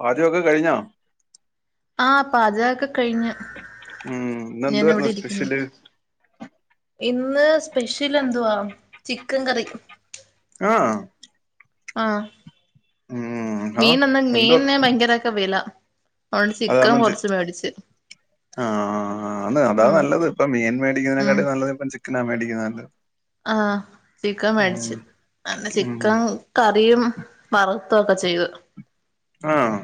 പാചകമൊക്കെ കഴിഞ്ഞോ ആഹ് പാചകൊക്കെ കഴിഞ്ഞു ഉം ഇന്ന് ഞാൻ എന്തുവായിരുന്നു ഇവിടെ ഇരിക്കുന്നു സ്പെഷ്യല് ഇന്ന് സ്പെഷ്യൽ എന്തുവാ ചിക്കൻ കറി ആഹ് ആഹ് ഉം ആഹ് മീൻ ന്നാ എന്തോ മീൻന് ഭയങ്കരൊക്കെ വില അതുകൊണ്ട് അത് ചിക്കൻ കാരണം ചി കൊറച്ച് മേടിച്ചു ആഹ് ആന്ന് അതാ നല്ലത് ഇപ്പൊ മീൻ ഉം മേടിക്കുന്നതിനേക്കാട്ടി നല്ലത് ഇപ്പൊ ചിക്കനാ മേടിക്കുന്നത് നല്ലത് ആഹ് ചിക്കൻ മേടിച്ച് ഉം അതെന്നെ ഉം ചിക്കൻ കറിയും വറുതൊക്കെ ചെയ്തു ആഹ്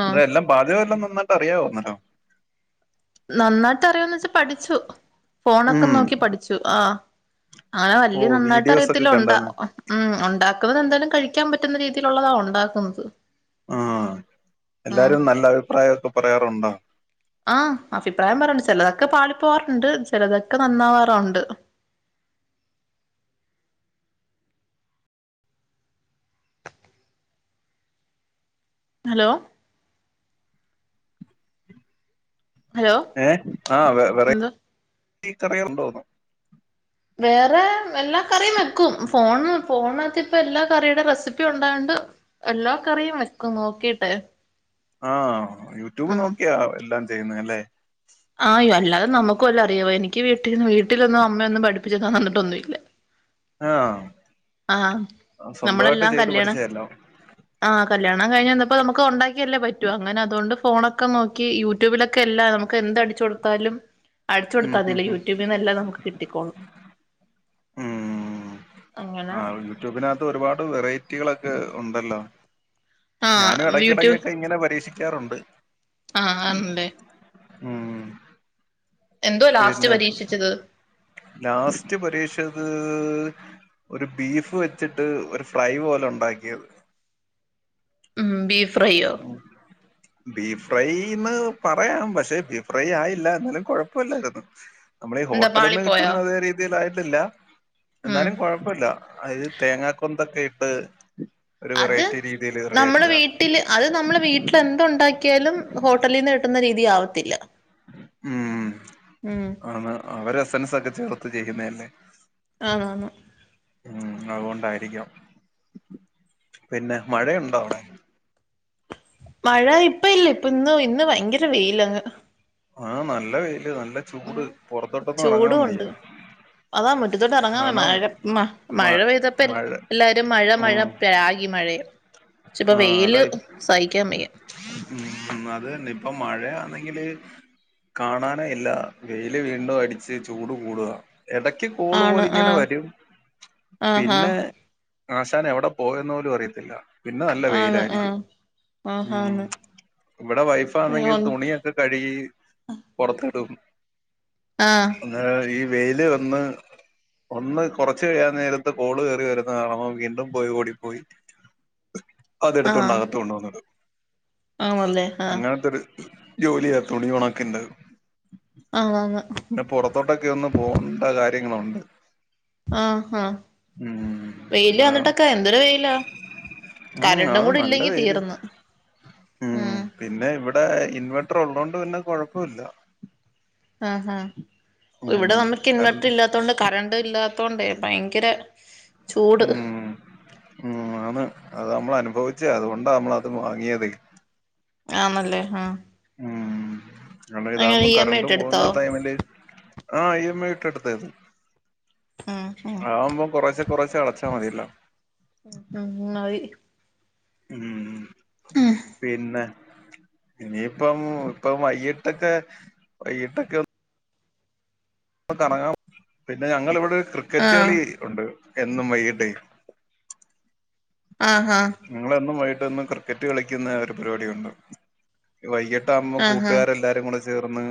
ആഹ് എന്താ എല്ലാം പാചകമെല്ലാം നന്നായിട്ട് അറിയാവോ നല്ലോണം നന്നായിട്ട് അറിയോന്ന് വെച്ചാ പഠിച്ചു ഫോണൊക്കെ ഉം നോക്കി പഠിച്ചു ആഹ് അങ്ങനെ വല്യ ഓഹ് നന്നായിട്ട് വീഡിയോസ് ഒക്കെ അറിയത്തില്ല ഉണ്ട കണ്ടാരുന്നു മ് ഉണ്ടാക്കുന്നത് എന്തായാലും കഴിക്കാൻ പറ്റുന്ന രീതിയിലുള്ളതാ ഉണ്ടാക്കുന്നത് ആഹ് ആഹ് എല്ലാരും നല്ല അഭിപ്രായമൊക്കെ പറയാറുണ്ടോ ആഹ് അഭിപ്രായം പറയാറുണ്ട് ചെലതൊക്കെ പാളി പോവാറുണ്ട് ചെലതൊക്കെ നന്നാവാറുണ്ട് ഹലോ ഹലോ ഏഹ് ആഹ് വെ എന്തോ വെറൈറ്റി കറികളുണ്ടോന്ന് വേറെ എല്ലാ കറിയും വെക്കും ഫോണ് ഫോണകത്തിപ്പൊ എല്ലാ കറിയുടെ റെസിപ്പി ഉണ്ടായൊണ്ട് എല്ലാ കറിയും വെക്കും നോക്കിട്ട് ആഹ് യൂട്യൂബ് നോക്കിയാ എല്ലാം ചെയ്യുന്നല്ലേ ആഹ് അല്ലാതെ നമക്കുവല്ലോ അറിയാവോ എനിക്ക് വീട്ടിന്ന് വീട്ടിലൊന്നും അമ്മയൊന്നും പഠിപ്പിച്ചതന്നിട്ടൊന്നും ഇല്ല ആഹ് ആഹ് സ്വന്തമായിട്ട് നമ്മളെല്ലാം ചെയ്ത് കല്യാണ പഠിച്ചതല്ലോ ആഹ് കല്യാണം കഴിഞ്ഞന്നപ്പോ നമുക്ക് ഉണ്ടാക്കിയല്ലേ പറ്റു അങ്ങനെ അതൊണ്ട് ഫോണൊക്കെ നോക്കി യൂ യൂട്യൂബിലൊക്കെ എല്ലാം നമുക്ക് എന്ത് അടിച്ച് കൊടുത്താലും അടിച്ചു ഉം കൊടുത്താൽ ഉം മതിയല്ലോ ഉം യൂട്യൂബിൽ നിന്ന് എല്ലാം നമുക്ക് കിട്ടിക്കോളും ഉം അങ്ങനെ ആഹ് യൂട്യൂബിനകത്ത് ഒരുപാട് വെറൈറ്റികളൊക്കെ ഉണ്ടല്ലോ ഞാനും ആഹ് യൂട്യൂബ് ഇടക്കിടക്കൊക്കെ ഇങ്ങനെ പരീക്ഷിക്കാറുണ്ട് ആഹ് ആണല്ലേ മ് എന്തുവാ ലാസ്റ്റ് പിന്നെ പരീക്ഷിച്ചത് ലാസ്റ്റ് പരീക്ഷിച്ചത് ഒരു ബീഫ് വെച്ചിട്ട് ഒരു ഫ്രൈ പോലെ ഉണ്ടാക്കിയത് ഉം ബീഫ്രയോ ഉം. ബീഫ് ഫ്രൈന്ന് പറയാം പക്ഷെ ബീഫ് ഫ്രൈ ആയില്ല എന്നാലും കൊഴപ്പമില്ലായിരുന്നു നമ്മളെ ഈ എന്താ ഹോട്ടലിന്ന് പാളിപ്പോയോ കിട്ടുന്ന അതേ രീതിയിലായിട്ടില്ല ഉം എന്നാലുംകുഴ പ്പല്ല അത് തേങ്ങാ കൊന്തെക്കെ ഇട്ട് ഒരു അത് വെറൈറ്റി രീതിൽ നമ്മള് റെഡിയാക്കിയതാണ് വീട്ടില് അത് നമ്മെ വീട്ടിൽ എന്ത്‌ ഉണ്ടാക്കിയാലും ഹോട്ടലിൽന്ന് കിട്ടുന്ന രീതിയാവത്തില്ല ഉം ആണ് അവര് എസ് എൻസ് ഒക്കെ ചേർത്ത് ചെയ്യുന്നതല്ലേ ആഹ് ഉം അതുകൊണ്ടായിരിക്കാം പിന്നെ മഴയുണ്ടോ അവിടെ മഴ ഇപ്പ ഇല്ല ഇപ്പ ഇന്ന് ഇന്ന് ഭയങ്കര വെയിലങ്ങ് ആഹ് നല്ല വെയില് നല്ല ഉം ചൂട് പുറത്തോട്ടൊന്നും ഇറങ്ങാൻ ചൂടും ഉണ്ട് വയ്യ അതാ മുറ്റത്തോട്ട് ഇറങ്ങാമേ കാരണം മഴ മ മഴ പെയ്തപ്പല്ലേ മഴ ഇല്ല മഴ മഴ ഉം പ്രാഗി മഴെ ഇപ്പ ആ വെയിൽ അതാ ഇപ്- സഹിക്കാൻ വയ്യ അത് തന്നെ ഇപ്പൊ മഴ അന്നെങ്കില് കാണാനെ ഇല്ല വെയില് വീണ്ടും അടിച്ച് ചൂട് കൂടുക എടക്ക് കോള് ആണ് പോല് ഇങ്ങനെ ആഹ് വരും ആഹാ പിന്നെ ആശാൻ എവിടെ പോയെന്ന് പോലും അറിയത്തില്ല പിന്നെ നല്ല ആണ് വെയിലായിരിക്കും ആഹ് ഉം ആഹാന്ന് ഇവിടെ വൈഫാ ആണെങ്കി അയ്യോന്ന് തുണിയ കഴുകി പോറത്തിടും ആഹ് ആഹ് ഈ വെയില് വന്ന് ഒന്ന് കോറച്ച് കഴിയാൻ നേരത്ത് കോള് കേറി വരുന്ന കാണാം വീണ്ടും പോയി ഓടിപ്പോയി ആഹ് അതെടുത്തോണ്ടകത്ത് കൊണ്ട് വന്നു ഇടും ആണല്ലേ ആഹ് അങ്ങനത്തോര് ജോലിയാ തുണി ഉണക്കിൻ്റെ ആങ് ആങ് പിന്നെ പുറത്തോട്ടൊക്കെ ഒന്ന് പോകേണ്ട കാര്യങ്ങളുണ്ട് ആഹ് ആഹ് ഉം വെയില് അന്നേരം വന്നിട്ടക്ക എന്തൊരു വെയിലാ ഉം കരണ്ടും അത് കൂടി നല്ല ഇല്ലെങ്കി വെയില് തീർന്ന് ഉം പിന്നെ ഇവിടെ ഇൻവേർട്ടർ ഉള്ളോണ്ട് പിന്ന കുഴപ്പോല്ല ആഹ് ഹ് ഉം ഇവിടെ നമക്ക് ഇൻവെർട്ടർ കറണ്ട് ഇല്ലാത്തോണ്ട് കറണ്ട് ഇല്ലാത്തോണ്ടേ ഭയങ്കര ചൂട് ആന്ന് അത് നമ്മൾ അനുഭവിച്ചേ അതുകൊണ്ടാ നമ്മള അത് വാങ്ങിയതെ ആന്നല്ലേ ആഹ് ഉം അത് അങ്ങനെ ഇതാകുമ്പോ ഇ എം ഐ കറണ്ട് ഇട്ട് എടുത്തോ പോകുന്ന ടൈമില് ആഹ് ഇ എം ഐ ഇട്ടെടുത്തെ ഉം ആവുമ്പോം കുറെച്ചേ കുറെച്ചേ അടച്ചാ മതിയല്ലോ ഉം മതി ഉം പിന്നെ ഇനിയിപ്പം ഇപ്പം വൈകട്ടൊക്കെ വൈകിട്ടൊക്കെ പ്പോ കറങ്ങാൻ പിന്നെ ഞങ്ങള് ഇവിടെ ക്രിക്കറ്റ് ആഹ് കളി ഉണ്ട് എന്നും വൈകിട്ടേ ആഹ് ഹാ ഞങ്ങളൊന്നും വൈകിട്ടന്നും ക്രിക്കറ്റ് കളിക്കുന്ന ഒരു പരിപാടിയുണ്ട് വൈകിട്ട് ആകുമ്പോം ആഹ് ആഹ് കൂട്ടുകാര് എല്ലാരും കൂടെ ചേർന്ന്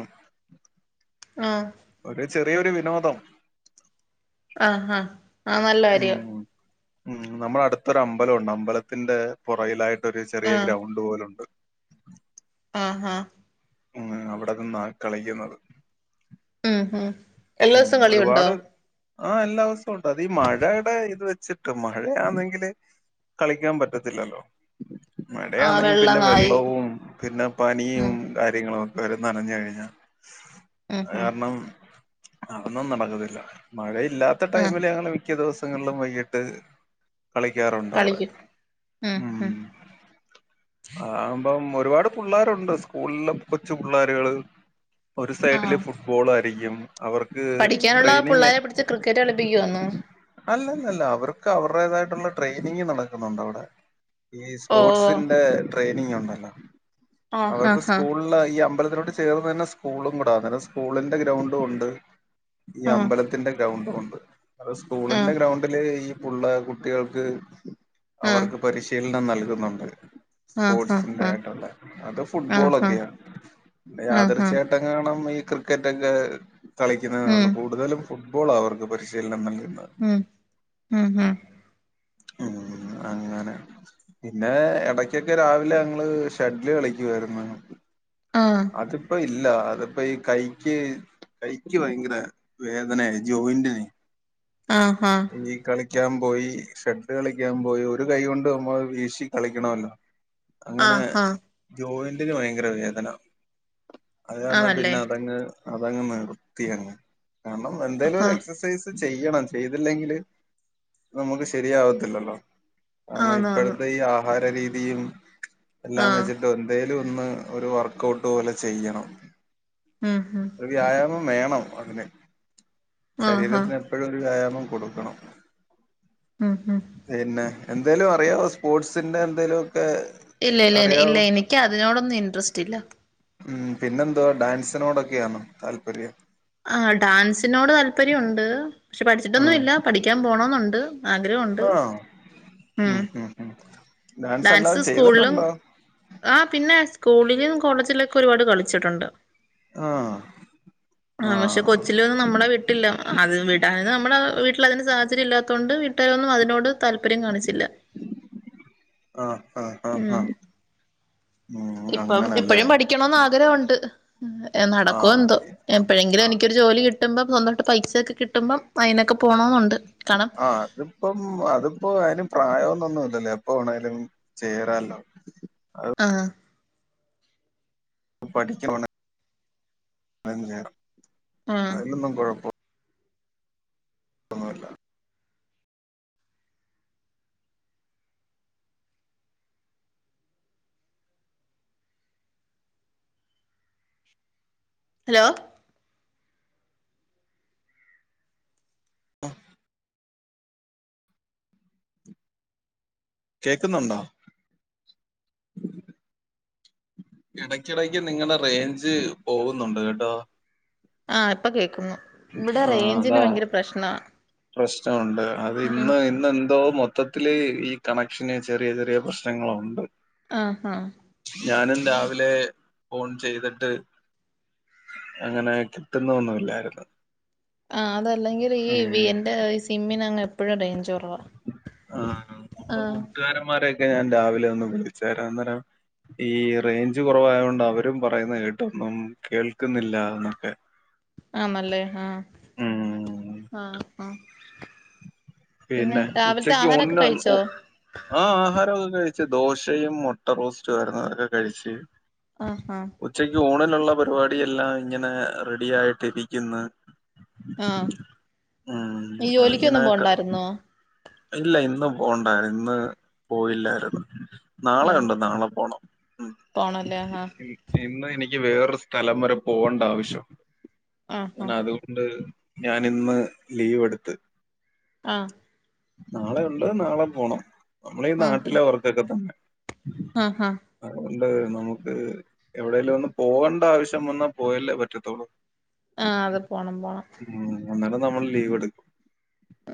ആഹ് ഒരു ചെറിയൊരു വിനോദം ആഹ് ആഹ് ആഹ് നല്ല കാര്യം ഉം ഉം നമ്മടെ അടുത്തൊരു അമ്പലംണ്ട് അമ്പലത്തിന്റെ പുറകിലായിട്ട് ഒരു ചെറിയ ആഹ് ഗ്രൗണ്ട് പോലുണ്ട് ആഹ് ഹാ ഉം അവിടെ നിന്ന കളിക്കുന്നത് ഉം ഹും ഉം ഒരുപാട് ആഹ് എല്ലാവസം ഉണ്ട് അത് ഈ മഴയുടെ ഇത് വെച്ചിട്ട് മഴയാണെങ്കില് കളിക്കാൻ പറ്റത്തില്ലല്ലോ ആഹ് മഴയാന്നങ്കി വെള്ള പിന്നെ നായി വെള്ളവും പിന്നെ പനിയും ഉം കാര്യങ്ങളും ഒക്കെ വരും നനഞ്ഞ് കഴിഞ്ഞാ ഉം അത് ഉം കാരണം അതൊന്നും നടക്കത്തില്ല മഴ ഇല്ലാത്ത ആഹ് ടൈമില് ഞങ്ങള് മിക്ക ദിവസങ്ങളിലും വൈകിട്ട് കളിക്കാറുണ്ട് അവിടെ കളിക്കും ഉം മം ഉം അആവുമ്പം ഒരുപാട് പുള്ളേരുണ്ട് സ്കൂളിലെ കൊച്ചു പുള്ളോരുകള് ഒരു സൈഡില് ആഹ് ഫുട്ബോൾ ആയിരിക്കും അവർക്ക് പഠിക്കാനുള്ള ട്രെയ്നെയ്യാൻ പിള്ളേരെ പിടിച്ച് ക്രിക്കറ്റ് കളിപ്പിക്കുവാന്നോ അല്ലല്ലല്ല അവർക്ക് അവരുടേതായിട്ടുള്ള ട്രെയിനിങ് നടക്കുന്നുണ്ട് അവിടെ ഈ ഓഹ് സ്പോർട്സിന്റെ ട്രെയിനിങ് ണ്ടല്ലോ ആഹ് അവർക്ക് ആഹ് സ്കൂൾ അല്ല ഈ അമ്പലത്തിലോട്ട് ചേർന്ന് തന്നെ സ്കൂളുംട സ്കൂളിന്റെ ഗ്രൗണ്ടും ഉണ്ട് ഈ ആഹ് അമ്പലത്തിന്റെ ഗ്രൗണ്ടുംണ്ട് അ സ്കൂളിന്റെ ആഹ് ഗ്രൗണ്ടില് ഈ ഉള്ള കുട്ടികൾക്ക് ആഹ് അവർക്ക് പരിശീലനം നൽകുന്നുണ്ട് സ്പോർട്സിന്റെ ആഹ് യിട്ടുള്ള അത് ആഹ് ആഹ് ഫുട്ബോൾക്കെയാ ആഹ് യാതർശ ആഹ് ങ്ങാണം ഈ ക്രിക്കറ്റ് ഒക്കെ കളിക്കുന്നുന്നൊള്ളു ഉം കൂടുതലും ഫുട്ബോൾ അവർക്ക് പരിശീലനം നൽകുന്നത് ഉം ഉം ഉം ഉം അങ്ങനെ പിന്നെ എടക്കൊക്കെ രാവിലെ ഞങ്ങള് ഷട്ടില് കളിക്കുവായിരുന്നു ആ അതിപ്പോ ഇല്ല അതിപ്പോ ഈ കൈക്ക് കൈക്ക് ഭയങ്കര വേദനയാ ജോയിന്റിന് ആഹ ആഹ ഈ കളിക്കാൻ പോയി ഷട്ട് കളിക്കാൻ പോയി ഒരു കൈ കൊണ്ട് ആവും മ്പോ വീശി കളിക്കണല്ലോ അങ്ങനെ ആഹ് ജോയിന്റിന് ഭയങ്കരവേദനഅത് ആണല്ലേ കാരണംപിന്നെഅതങ്ങ് അതങ്ങ് നിർത്തി അങ്ങ് കാരണം എന്തേലും ഒരു ആഹ് എക്സസൈസ് ത് ചെയ്യണം ചെയ്തില്ലെങ്കിൽ നമുക്ക് ശരിയാവത്തില്ലല്ലോ ആണ ആന്ന് ആന്ന് ഇപ്പോഴത്തെ ഈ ആഹാര രീതിയും എല്ലാം ആഹ് വെച്ചിട്ട് എന്തേലും ഒന്ന് ഒരു വർക്കഔട്ട് പോലെ ചെയ്യണം ഉം ഹും ഒരു വ്യായാമം വേണം അതിന് ആഹ് ആഹ് ശരീരത്തിന് എപ്പോഴും ഒരു വ്യായാമം കൊടുക്കണം ഉം ഉം പിന്നെ എന്തെലും അറിയാവോ സ്പോർട്സിന്റെ എന്തേലുംഒക്കെ ഇല്ല ഇല്ല ഇല്ല എനിക്ക് അതിനോടൊന്നും ഇൻട്രസ്റ്റ്‌ ഇല്ല ഉം പിന്നെന്തോ ഡാൻസിനോടൊക്കെണോ താല്പര്യം? ആ ഡാൻസിനോട് താല്പര്യണ്ട് പക്ഷെ പഠിച്ചിട്ടൊന്നും ഉം ഇല്ല പഠിക്കാൻ പോണെന്നുണ്ട് ആഗ്രഹം ഉണ്ട് ആഹ് ഉം ഡാൻസ് അല്ലാതെ സ്കൂളു ലും ചെയ്തിട്ടുണ്ടോ ആ പിന്നെ സ്കൂളിലും കോളേജിലൊക്കെ ഒരുപാട് കളിച്ചിട്ടുണ്ട് ആഹ ആ പക്ഷെ കൊച്ചിലൊന്നും നമ്മളെ വിട്ടില്ല അത് വിടാന് അ നമ്മള്ളെ വീട്ടിൽ അതിന് സാഹചര്യം ഇല്ലാത്തോണ്ട് വിട്ടി വീട്ടാരൊന്നും അതിനോട് താല്പര്യം കാണിച്ചില്ല ആഹ് ആഹ് ആഹ് ഉം ആഹ ഇപ്പം ഇപ്പഴും പഠിക്കണംന്ന് ആഗ്രഹുണ്ട് നടക്കോ ആഹ് എന്തോ എപ്പഴെങ്കിലും ആഹ് എനിക്കൊരു ജോലി കിട്ടുമ്പം സ്വന്തമായിട്ട് പൈസയൊക്കെ കിട്ടുമ്പം അയ്നൊക്കെ പോണംന്നുണ്ട് ആഹ അതിപ്പം അതിപ്പോ അയ്ന് പ്രായന്നുംല്ലല്ലോ എപ്പം വേണേലും ചേരാല്ലോ ആഹ പഠിക്ക... എന്നും ചേര ആഹ് അതിലൊന്നും കുഴപ്പം ഒന്നുല്ല ഹലോ കേൾക്കുന്നുണ്ടോ? ഇടക്കിടക്ക് നിങ്ങളുടെ റേഞ്ച് പോകുന്നുണ്ട് കേട്ടോ ആഹ ഇപ്പൊ കേക്കുന്നു ഇവിടെ ആഹ് റേഞ്ചിന് അതാ ഭയങ്കര പ്രശ്ന പ്രശ്നമുണ്ട് അത് ഇന്ന് ഇന്ന് എന്തോ മൊ മൊത്തത്തില് ഈ കണക്ഷന് ചെറിയ ചെറിയ പ്രശ്നങ്ങളുണ്ട് ആഹാ ഞാനും രാവിലെ ഫോൺ ചെയ്തിട്ട് അങ്ങനെ കിട്ടുന്നൊന്നുയിലായിരുന്നു ആ അതെല്ലെങ്കിലും ഈ വി അന്റെ ഈ സിമ്മിന് അങ്ങ് എപ്പഴും റേഞ്ച് കുറവാ ആഹ രന്മാരൊക്കെ ഞാൻ രാവിലെ ഒന്ന് വിളിച്ചതാ അന്നേരം ഈ റേഞ്ച് കുറവായത് കൊണ്ട് അവരും പറയുന്ന കേട്ടൊന്നും കേൾക്കുന്നില്ല എന്നൊക്കെ ആ നല്ലഹ് ആഹ ഉം ആഹ ആഹ പിന്നെ രാവിലത്തെ ആഹാരൊക്കെ കഴിച്ചോ ആഹ ആഹാരമൊക്കെ കഴിച്ചു ദോശയും മൊട്ട റോസ്റ്റും ആയ്രുന്നു അതൊക്കെ കഴിച്ചു ആഹഹാ ഉച്ചക്ക് ഊണിനുള്ള പരിപാടി എല്ലാം ഇങ്ങനെ റെഡി ആയിട്ടിരിക്കുന്ന് ആഹ് ഉം നീ അത് ഇങ്ങനെ ജോലിക്കൊന്നും പോണ്ടായിരുന്നോ ഇല്ല ഇന്ന് പോണ്ട ഇന്ന് പോയില്ലായിരുന്നു നാളെ ഉണ്ട് നാളെ പോണം ഉം പോണംല്ലേ ആഹാ ഇ- ഇന്ന് എനിക്ക് വേറൊരു സ്ഥലം വരെ പോവേണ്ട ആവശ്യണ്ട് ആഹ് അങ്ങനെ അതു ണ്ട് ഞാനിന്ന് ലീവ് എടുത്ത് ആഹ നാളെ ഉണ്ട് നാളെ പോണം നമ്മളീ ഈ നാട്ടിലെ വർക്കൊക്കെ തന്നെ ആഹ ഹഹ അതുകൊണ്ട് നമുക്ക് എവിടെങ്കിലും ഒന്ന് പോവണ്ട ആവശ്യം വന്നാൽ പോയല്ലേ പറ്റത്തുള്ളൂ ആഹ അത് പോണം പോണം ഉ അന്നേരം നമ്മള് ലീവ് എടുക്കും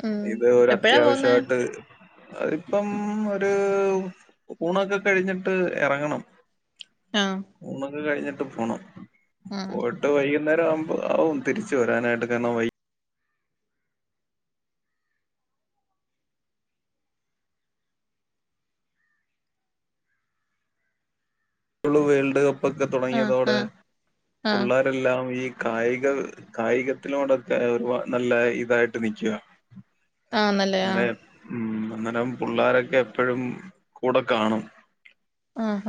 ഉം ഇത് ഒരു എപ്പഴാ പോവുന്നെ അത്യാവശ്യമായിട്ട് അതിപ്പം ഒരു ഊണൊക്കെ കഴിഞ്ഞിട്ട് ഇറങ്ങണം ആഹ ഊണൊക്കെ കഴിഞ്ഞിട്ട് പോണം ആഹ ട്ട് വൈകുന്നേരം ആവുമ്പോ ആവും തിരിച്ച് വരാനായിട്ട് കാരണം വേൾഡ് കപ്പ് ഒക്കെ ആഹ് തുടങ്ങിയതോടെ ആഹ് ആഹ് ഉള്ള ല്ലാം ഈ കായിക കായികത്തിലോടൊക്കെ ഒരു നല്ല ഇതായിട്ട് നിൽക്കുക ആഹ്ന്നല്ലേ ആ ഇന്നലെ ഉം അന്നേരം പിള്ളോരൊക്കെ എപ്പോഴും കൂടെ കാണും ആഹ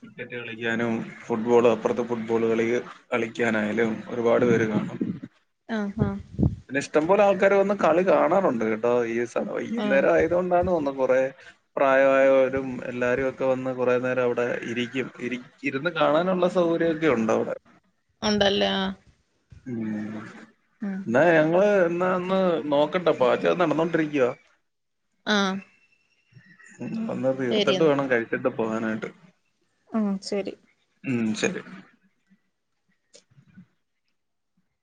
ക്രിക്കറ്റ് കളിക്കാനും ഫുട്ബോള് അപ്പുറത്തെ ഫുട്ബോൾ കളി കളിക്കാനായാലും ഒരുപാട് പേര് കാണും ആഹ ആഹ പിന്നെ ഇഷ്ടംപോലെ ആൾക്കാര് വന്ന് കളി കാണാറുണ്ട് കേട്ടോ ഈ ആഹ് നേരം ആയത്കൊണ്ടാണ് തോന്നുന്നു കൊറെ പ്രായമായവരും എല്ലാരും ഒക്കെ വന്ന് കുറേ നേരം അവിടെ ഇരിക്കും ഇരി ഇരുന്ന് കാണാനുള്ള സൗകര്യമൊക്കെ ഉണ്ട് അവിടെ ഉണ്ടല്ലേ ആ ഉ എന്നാ ഞങ്ങള് എന്നാന്ന് നോക്കട്ടെ പാച്ചകം നടന്നോണ്ടിരിക്കുവ ആ ഉ ഒന്ന് തീർത്തിട്ട് ശരിയെന്നാ വേണം കഴിച്ചിട്ട് പോകാനായിട്ട് ആഹ് ശെരി ഉം ശെരി